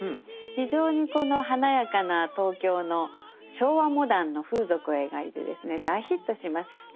非常にこの華やかな東京の昭和モダンの風俗を描いてですね大ヒットします。